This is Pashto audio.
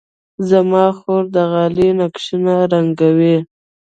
زما خور د غالۍ نقشونه رنګوي.